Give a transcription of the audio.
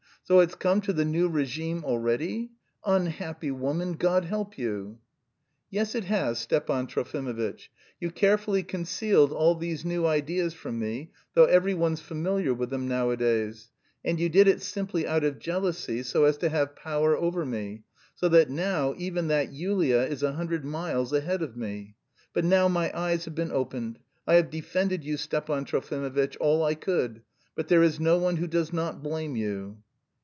So it's come to the new regime already? Unhappy woman, God help you!" "Yes; it has, Stepan Trofimovitch. You carefully concealed all these new ideas from me, though every one's familiar with them nowadays. And you did it simply out of jealousy, so as to have power over me. So that now even that Yulia is a hundred miles ahead of me. But now my eyes have been opened. I have defended you, Stepan Trofimovitch, all I could, but there is no one who does not blame you."